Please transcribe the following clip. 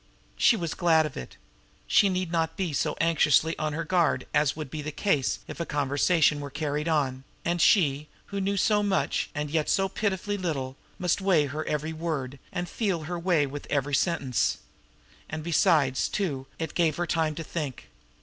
She was glad of it. She need not be so anxiously on her guard as would be the case if a conversation were carried on, and she, who knew so much and yet so pitifully little, must weigh her every word, and feel her way with every sentence. And besides, too, it gave her time to think.